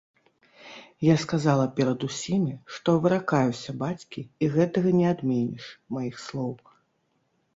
Я сказала перад усімі, што выракаюся бацькі і гэтага не адменіш, маіх слоў.